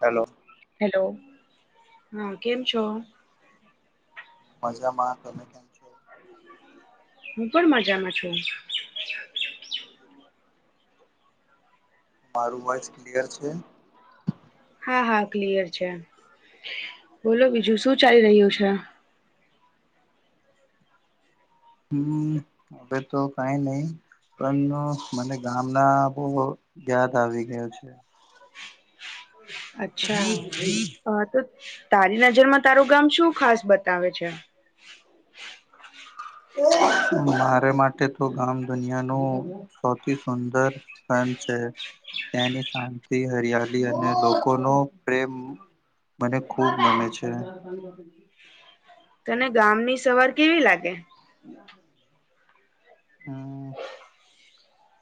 Hello hello, હા કેમ છો? મજા મા, તમે કેમ છો હું પણ મજામાં છું. મારું વોઈસ ક્લિયર છે? હા હા ક્લિયર છે, બોલો બીજું શું ચાલી રહ્યું છે? હમ્મ, હબે તો કાઈ નહી. પ્રેમનો મને ગામના બહુ યાદ આવી ગયો છે. અચ્છા, અ તો તારી નજરમાં તારું ગામ શું ખાસ બતાવે છે. મારે માટે તો ગામ દુનિયાનું સૌથી સુંદર સ છે તેની શાંતિ હરિયાલી અને લોકોનો પ્રેમ- મને ખુબ મને છે. તને ગામની સવાર કેવી લાગે- હમ [unintelligible]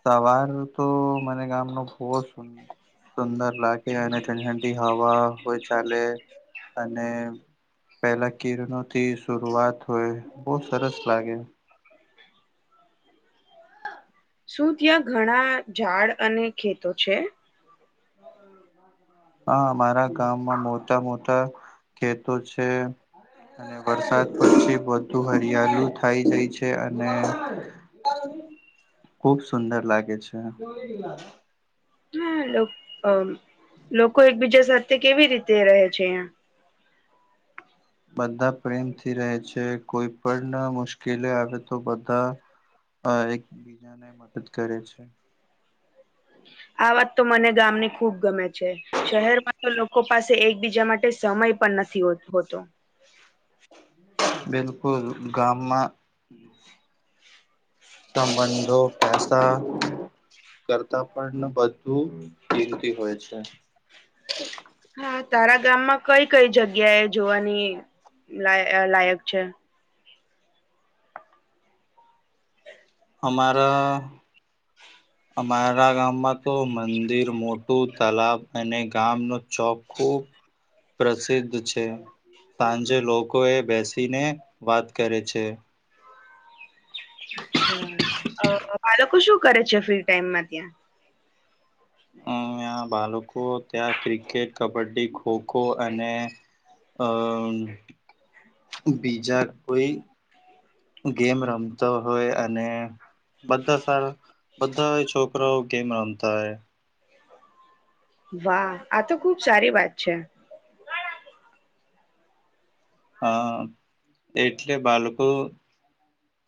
સવાર તો મને ગામ ન ફવ છે. સુંદર લાગે અને ઠંડી ઠંડી હવા હોય ચાલે અને- પેલા કિરણોથી શરઆત હોય બહ સરસ લાગે- શું ત્યાં ઘણા ઝાડ અને ખેતો છે. હ હા હા હા અમારા ગામમાં મોટા મોટા ખેતો છે. અને વરસાદ પછી બધુ હરિયાળુ થાય જાય છે અને ખુબ સુંદર લાગે છે. હા લો અ લોકો એકબીજા સાથે કેવી રીતે રહે છે, અંહીયા? બધા પ્રેમથી રહે છે, કોઈ પણ મુશ્કેલી આવે તો બધા- અ એકબીજાને મદદ કરે છે. આ વાત તો મને ગામની ખુબ ગમે છે, શહેરમાં તો લોકો પાસે એકબીજા માટે સમય પણ નથી હો હોતો. બિલકુલ ગામમાં- [inaudible] [inaudible] સંબંધો પેસા- કરતા પણ વધું કીમતી હોય છે. [inaudible] હા તારા ગામમાં કઈ કઈ જગ્યા એ જોવાની લાયક છે. અમારા અમારા ગામમાં તો મંદિર મોટ તલાબ અને ગામનો ચોક ખુબ પ્રસિદ્ધ છે. સાંજે લોકો એ બેસીને વાત કરે છે. અચ્છા બાળકો શું કરે છે ફ્રી ટાઈમમાં ત્યાં? અં બાળકો ત્યાં ક્રિકેટ કબડ્ડી ખોખો અને- અમ બીજા કોઈ- ગેમ રમતો હોય અને- બધા સારા બધા છોકરા ગેમ રમતા હોય- વાહ આ તો ખુબ સારી વાત છે. હા એટલે બાળકો-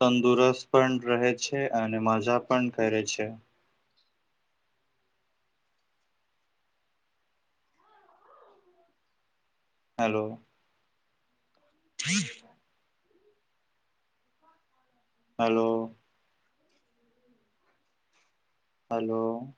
તંદુરસ્ત પણ રહે છે, અને મજા પણ કરે છે. Hello [unintelligible] hello hello